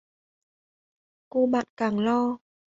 Cô bạn càng lo